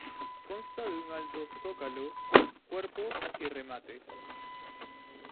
Consta de un alto zócalo, cuerpo y remate.